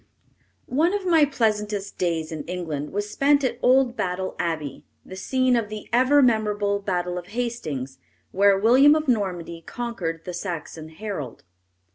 ] One of my pleasantest days in England was spent at old Battle Abbey, the scene of the ever memorable Battle of Hastings, where William of Normandy conquered the Saxon Harold.